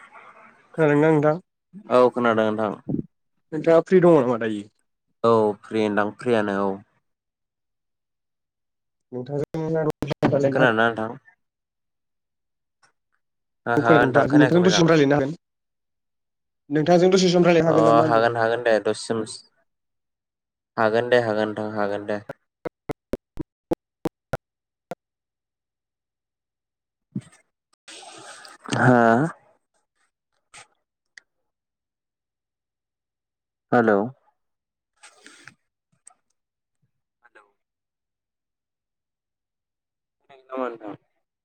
[inaudible] खोनादोंना नोंथां [inaudible] औ खोनादों नोंथां नोंथांआ फ्रि दङ नामा दायो? औ फ्रि ओनदां फ्रियानो औ नोंथां [unintelligible] खोनादोना नोंथां? हो हो अके नोंथा खोनायाखै नोंथां मोजां दसेम रायलायनो हागोन नोंथांजों दसे सम रायलायनो अ नामा होनदों आं हागोन नोंथां हागोन दे दससिमस हागोन दे हागोन नोंथां हागोन दे [inaudible] हा हेल [unintelligible]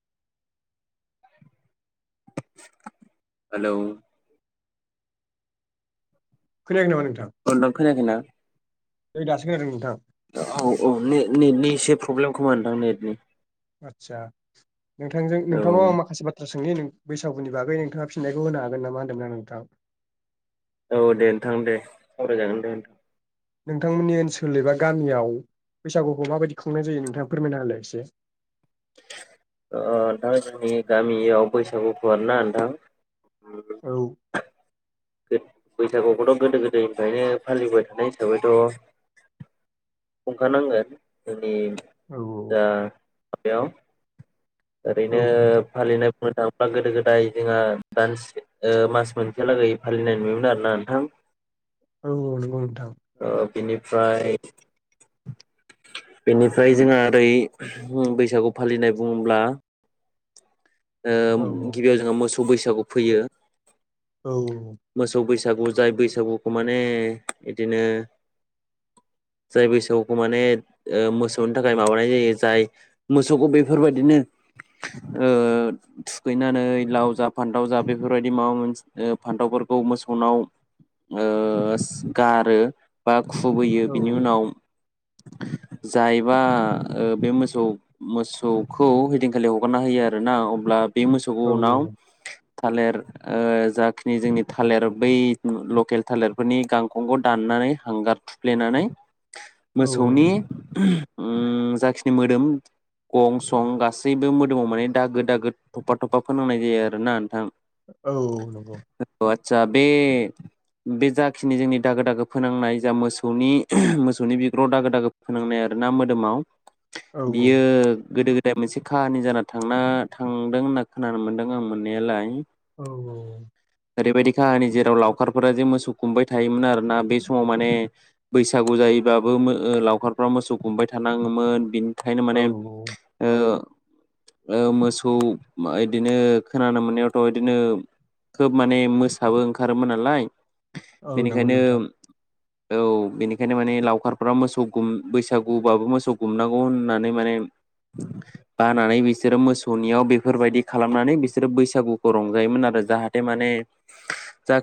हेलौ खोनायाखै नामा नों अ नोंथां खोनायाखैना? नै दासो खोनादों नोंथा। औ औ ने नेटनि एसे प्रब्लेम खोमा नोंथां नेटनि आतसा। नोंथांजों औ नोंथांङा माखासे बाथ्रा सों नोंनि बैसागुनि बागै नोंथाङा फिननायखौ होनो हागोन नामा होन्दोंना नोंथां। औ दे नोंथां दे सावरायजागोन दे नोंथां। नोंथांमोननि ओनसोल एबा गामियाव बैसागुखौ माबायदि खुंनाय जायो नोंथाङा फोरमायना होलाय एसे। ओ नोंथां जोंनि गामियाव बैसागुखौ आरो ना नोंथां [inaudible] औ बैसागुखौथ' गोदो गोदायनिफ्रायनो फालिबोबाय थानाय हिसाबैथ' खुंखानांगोन। ए औ दा [unintelligible] औ ओरैनो नोंथां फालिनो मोजां। बा गोदो गोदाय जोंहा दान्से मास मोनसेलागै फालिनाय नुयोमोन आरोना नोंथां। औ नोंगौ नोंथां। बेनिफ्राय बेनिफ्राय जोंहा ओरै बैसागु फालिनाय बुङोब्ला। औ गिबियाव जोङो मोसौ बैसागु फैयो। औ सागु जाय बैसागुखौ माने बिदिनो जाय बैसागुखौ माने ओ मोसौनि थाखाय माबानाय जायो जाय मोसौखौ बेफोरबायदिनो ओ थुखैनानै लाव जा फान्थाव जा बेफोरबायदि माबा मोन फान्थावफोरखौ मोसौनाव ओस गारो बा खुबैयो औ बिनि उनाव जायबा बे मोसौ मोसौखौ हदिनखालि हगारना होयो आरोना ब्ला बे मोसौखौ औ उनाव थालिर ओ जाखिनि जोंनि थालिर बै लकेल थालिरफोरनि गांखंखौ दाननानै हांगार थुफ्लेनानै औ मोसौनि ओम जाखिनि मोदोम गं सं गासैबो मोदोमाव माने दागो दागो थफा थफा फोनांनाय जायो आरो ना नोंथां। औ नंगौ। औ आदसा बे बे जाखिनि जोंनि दागो दागो फोनांनाय जा मोसौनि मोसौनि बिगुराव दागो दागो फोनांनाय आरोना मोदोमाव औ औ बियो गोदो गो मोनसे काहानि जाना थांना थांदों होनना खोनानो मोन्दों आं मोननायालाय। औ औ। ओरैबायदि काहानि जेराव लावखारफोरा जे मोसौ गुमबाय थायोमोन आरोना बे समाव माने बैसागु जायोबाबो ओम लावखारफोरा मोसौ गुमबाय थानाङोमोन बिनि ओंखायनो औ माने ओ ओ मोस खौ मायदिनो खोनानो मोननायावथ' इदिनो खोब माने मोसाबो ओंखारोमोन नालाय औ नंगौ बेनिखायनो नोंथां। औ बेनिखायनो माने लावखारफोरा मोसौ गुम बैसागुबाबो मोसौ गुमनांगौ होननानै माने बानानै बिसोरो मोसौ सनियाव बेफोरबायदि खालामनानै बिसोरो बैसागुखौ रंजायोमोन आरो जाहाथे माने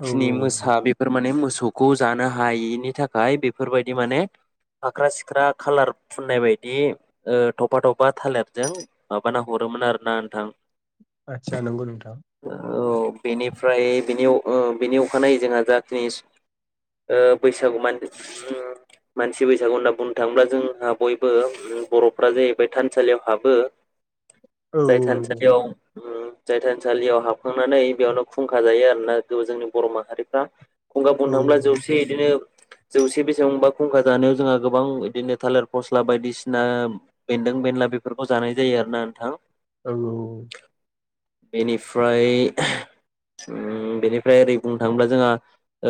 औ मोसा बेफोर माने मोसा थौखौ जानो हायिनि थाखाय बेफोरबायदि माने फाख्रा सिख्रा खालार फुननाय बायदि ओ थफा थफा थालिरजों माबाना हरोमोन आरो। ना नोंथां। आदसा नंगौ नोंथां। औ बेनिफ्राय बेनि ओ बेनि अखानायै जोंहा जाखिनि ओ बैसागु मानस मानसि बैसागु होनना बुंनो थाङोब्ला जोंहा बयबो बर'फ्रा जाहैबाय थानसालियाव हाबो। औ जाय औ नंगौ थानसालियाव ओ जाय थानसालियाव हाबखांनानै बेयावनो खुंखा जायो आरोना जोंनि बर' माहारिफ्रा। गंगा औ बननो थांब्ला जौसे बिदिनो जौसे बेसेबांबा खुंखा जानायाव जोंहा गोबां बिदिनो थालिर फस्ला बायदिसिना बेन्दों बेनला बेफोरखौ जानाय जायो आरो ना नोंथां। औ बेनिफ्राय ओम बेनिफ्राय ओरै बुंनो थाङोब्ला जोंहा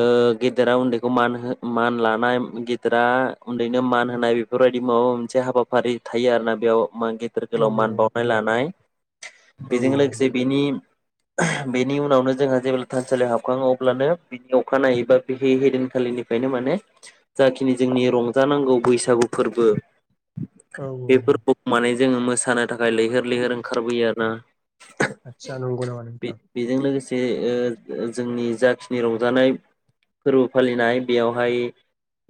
ओ गेदेरा उन्दैखौ मान हो मान लानाय गेदेरा उन्दैनो मान होनाय बेफोरबायदि माबा मोनसे हाबाफारि थायो आरोना बेयाव। मान गेदेर औ गोलाव मान बावनाय लानाय। औ बेजों लोगोसे बिनि बेनि उनावनो जोंहा जेब्ला थानसालियाव हाबखाङो अब्लानो बिनि अखानायै बा बे हैदिनखालिनिफ्रायनो माने जाखिनि जोंनि रंजानांगौ बैसागु फोरबो औ बेफोर औ बुक माने जोङो मोसानो थाखाय लैहोर लैहोर ओंखारबोयो आरो ना आतसा नंगौ नामा नोंथां? ए ओ जो जोंनि जाखिनि रंजानाय फोरबो फालिनाय बेयावहाय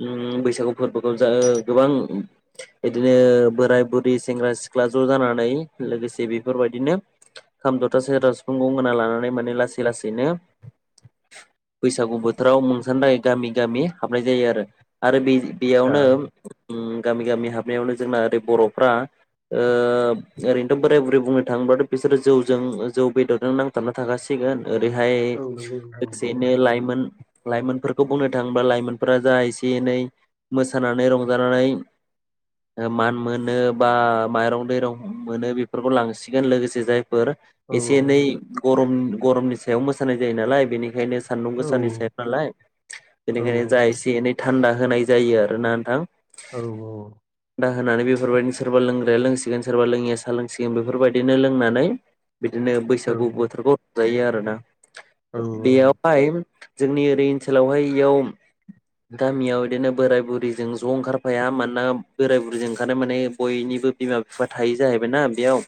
ओम बैसागु फोरबोखौ जा ओ गोबां बिदिनो बोराय बुरै सेंग्रा सिख्ला ज' जानानै लोगोसे जे बेफोरबायदिनो खाम जथा सेरजा सिफुं गंगोना लानानै माने लासै लासैनो बैसागु बोथोराव मुंसानो थाखाय गामि गामि हाबनाय जायो आरो। आरो बे आदसा बेयावनो ओम गामि गामि हाबनायावनो जोंना ओरै बर'फ्रा ओ ओरैनोथ' बोराय बुरै बुंनो थाङोब्लाथ' बिसोरो जौजों जौ बेदरजों नांथाबना थाखासिगोन। ओरैहाय औ नंगौ नोंथां नंगौ लोगोसेयैनो लाइमोन लाइमोनफोरखौ बुंनो थाङोब्ला लाइमोनफोरा जा एसे एनै मोसानानै रंजानानै मान मोनो बा माइरं दैरं मोनो बे फोरखौ लांसिगोन लोगोसे जाय फोर औ एसे एनै गरम गरमनि सायाव मोसानाय जायो नालाय बेनिखायनो सान्दुं औ गोसानि सायाव नालाय औ बेनिखायनो जा एसे एनै थान्दा होनाय जायो आरो ना नोंथां औ औ दा होनानै बेफोरबायदिनो सोरबा लोंग्राया लोंसिगोन सोरबा लोङिया साहा लोंसि देम बेफोरबायदिनो लोंनानै बिदिनो बैसागु बोथोरखौ जायो आरोना। बियावहाय जोंनि ओरै ओनसोलावहाय एयाव गामियाव बिदिनो बोराय बुरैजों ज' ओंखारफाया मानोना बोराय बुरैजों ओंखारनाय माने बयनिबो बिमा बिफा थायो जाहैबायना। बेयाव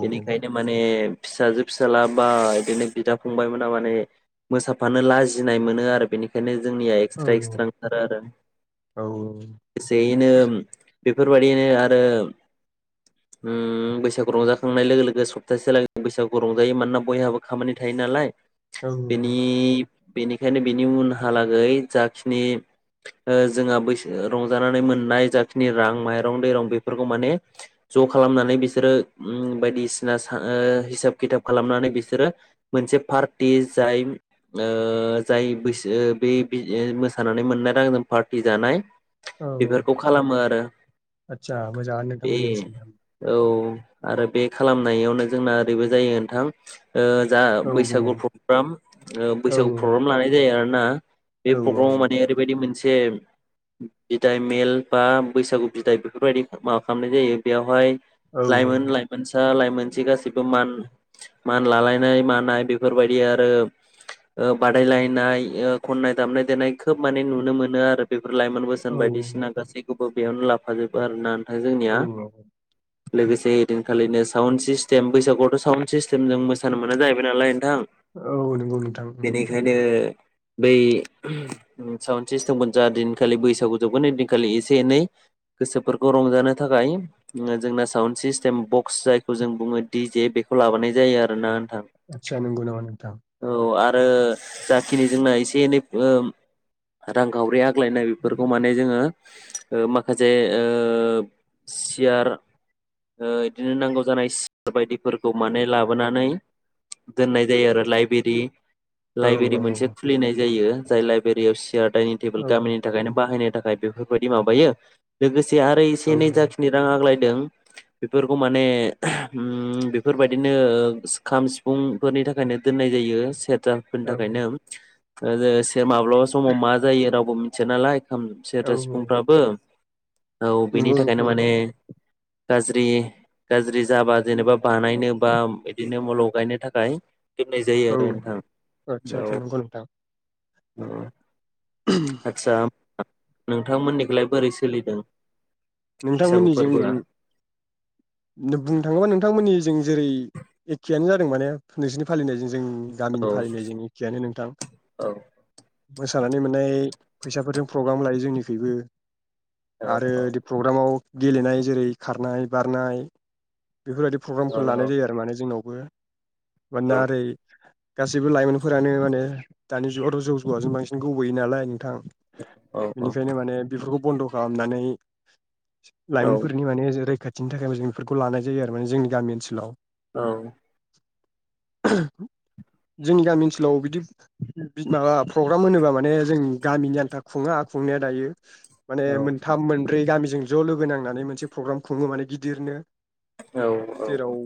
बेनिखायनो माने फिसाजो फिसाला बा बिदिनो बिदा फंबायमोना माने मोसाफानो लाजिनाय मोनो आरो बेनिखायनो जोंनिया एक्सट्रा एक्सट्रा ओंखारो आरो एसे नोम बेफोरबायदिनो आरो उम बैसागु रंजाखांनाय लोगो लोगो सप्तासे लागै बैसागु रंजायो मानोना बयहाबो खामानि थायो नालाय। औ बेनि बेनिखायनो बिनि उनहालागै जाखिनि ओ जोंहा बैसो रंजानानै मोननाय जाखिनि रां माइरं दैरं बेफोरखौ माने ज' खालामनानै बिस बिसोरो ओम बायदिसिना ओ हिसाब खिथाब खालामनानै बिसोरो मोनसे पार्टि जाय ओ जाय बैसो बे-बे ओ मोसानानै मोननाय रांजों पार्टि जानाय। बेफोरखौ खालामो आरो। आतसा मोजांआनो बे नोंथांमोननिसिम औ आरो बे खालामनायावनो जोंना ओरैबो जायो नोंथां ओ जा औ बुंलाय बैसागु नोंथां प्रग्राम ओ औ बैसागु प्रग्राम लानाय जायो आरो ना बे औ प्रग्रामाव माने ओरैबायदि मोनसे एम बिदाय मेल बा बैसागु बिदाय बेफोरबायदि माबा खालामनाय जायो बेयावहाय औ लाइमोन लाइमोनसा लाइ मोनसे गासिबो मान मान लालायनाय मानाय बेफोरबायदि आरो ओ बादायलायनाय ओ खननाय दामनाय देनाय खोब माने नुनो मोनो आरो बेफोर लाइमोन बोसोन औ बायदिसिना गासै खौबो बेयावनो लाफाजोबो आरो ना आरो जोंनिया औ औ लोगोसे ओदिनखालिनो साउन्ड सिस्टेम बैसागुआवथ' साउन्न्द सिस्टेम जों मोसानो मोना जाहैबाय नालाय। थां औ नंगौ नोंथां नंगौ बेनिखायनो बै साउन्ड सिस्टेमखौ जा दिनखालि बैसागु जोबगोन दिनखालि एसे एनै गोसोफोरखौ रंजानो थाखाय ओ जोंना साउन्ड सिस्टेम बक्स जायखौ जों बुङो डि जे बेखौ लाबोनाय जायो आरोना। आच्छा नोंगौ नामा नोंथां ओ जाखिनि जोंना एसे एनै ओम रांखावरि आग्लायनाय बेफोरखौ माने जोङो ओ माखासे ओ सियार ओ इदिनो नांगौ जानाय सि बायदिफोरखौ माने लाबोनानै दोननाय जायो आरो लाइब्रेरि औ लाइब्रेरि औ मोनसे खुलिनाय जायो। जाय लाइबेरियाव सियार डाइनिं टेबोल औ गामिनि थाखायनो बाहायनो थाखाय बेफोरखौ बायदि माबायो लोगोसे आरोै से नै जाखिनि रां आग्लाय दों बेफोरखौ माने बेफोरबायदिनो खाम सिफुंफोरनि थाखायनो दोननाय जायो सेर दा फोरनि औ थाखायनो ओ जेस दे माब्लाबा समाव मा जायो रावबो मि सोनालाय खाम औ सेरजा औ सिफुंफ्राबो औ बेनि नंगौ थाखायनो नोंथां माने नंगौ गाज्रि गाज्रि जाबा जेनेबा बानायनो बा बिदिनो मल गायनो थाखाय गोरनाय जायो औ आरो नोंथां आदसा औ आदसा नंगौ नोंथां ओ आतसा नोंथांमोननिखौलाय बोरै सोलिदों बैसागु नोंथांमोननि जों फोरबोआ बुंनो थाङोबा नोंथांमोननि जों जेरै एखेयानो जादों माने नोंसोरनि फालिनायजों गामिनि औ फालिनाय ज एखेयानो नोंथां औ मोसानानै मोननाय फैसाफोरजों प्रग्राम लायो जोंनिखैबो औ औ औ गेलेनाय जेरै खारनाय बारनाय बेफोरबायदि औ प्रग्रामफोर लानाय नंगौ जायो आरो माने जोंनाव बो मानोना औ ओरै गासैबो लाइमोनफोरानो माने दानि जुगावथ' जौ जुवाजों बांसिन गबोयो नालाय नोंथां औ बेनिखायनो माने बेफोरखौ बन्द' खालामनानै [inaudible] लाइमोनफोरनि माने जे रैखाथि बिनि थाखायबो जों बेफोरखौ लानाय जायो आरो माने जोंनि गामि ओनसोलाव औ जोंनि गामि ओनसोलाव बिदि माबा प्रग्राम होनोबा माने जों गामिनि आन्था खुङा खुंनाया दायो माने मोनथाम मोन ब्रै गामिजों ज' लोगो नांनानै मोनसे प्रग्राम खुङो माने गिदिरनो औ जेराव औ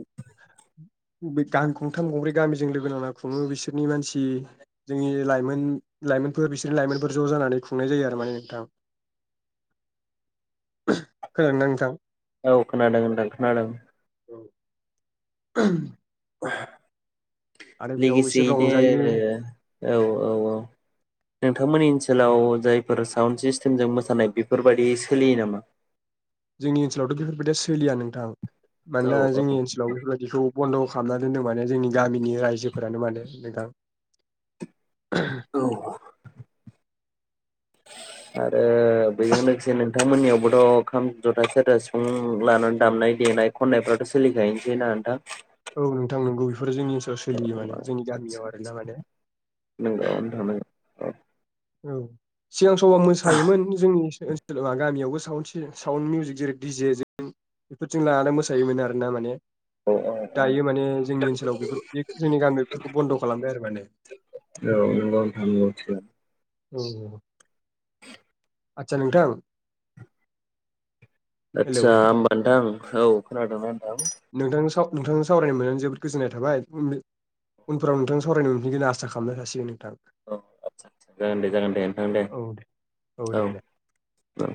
बे गान गंथाम गंब्रै गामिजों लोगो नांना खुङो बिसोरनि मानसि जोंनि लाइमोन लाइमोनफोर बिसोरनि लाइमोनफोर ज' जानानै खुंनाय जायो आरो माने नोंथां। खोनादो ना नोंथां? औ खोनादों होनदों खोनादों। [unintelligible] उहा आरो बेयाव एसे रंजायो लेगैसेयैनो औ औ औ नोंथांमोननि ओनस सोलाव जायफोर साउन्ड सिस्टेमजों मोसानाय बेफोरबादि सोलियो नामा? जोंनि ओनसोलावथ' बेफोरबायदिया सोलिया नोंथां। औ मानोना औ जोंनि ओनसोलाव बेफोरबायदिखौ बन्द' खालामना दोनदों माने जोंनि गामिनि रायजोफोरानो माने नोंथां। औ अ आरो ओ बेयो नोगसेनो नोंथांमोननियावबोथ' खाम, जथा, सेरजा, सिफुं लानानै दामनाय देनाय खननायफ्राथ' सोलिखायनोसै ना नोंथां? औ नोंथां नोंगौज बेफोर जोंनि ओनसोलाव सोलियो माने जोंनि गामियाव आदसा आरोना माने नंगौ नोंथां औ औ सिगां समाव मोसायोमोन जोंनि ओनसो-ओनसो सोल बा गामियावबो साउन्ड सि साउन्ड मिउजिक जेरै डिजे जों बेफोरजों लानानै मोसायोमोन आरो ना माने औ औ औ दायो माने जोंनि ओनसोलाव बेफोर बे जोंनि गामि बेफोरखौ बन्द' खालामबाय आरो माने नंगौ नोंथां नंगौ थिगानो औ अ आचसा नोंथां हेलौ आतसा ओमबा नोंथां औ खोनादोमोन नोंथांनो सब नोंथां सावरायनो मोननानै जोबोद गोजोन्नाय थाबाय उम नों उनफोराव नोंथांजों सावरायनो मोनफिनगोन आसा खालामनाय थासिगोन नोंथां। औ आदसा आदसा जागोन दे जागोन दे नोंथां दे दे औ दे। औ